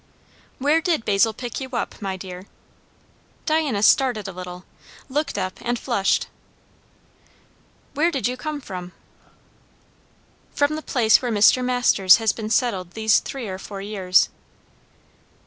"Where did Basil pick you up, my dear?" Diana started a little, looked up, and flushed. "Where did you come from?" "From the place where Mr. Masters has been settled these three or four years."